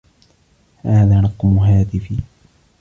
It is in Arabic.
هذا رقم هاتفي.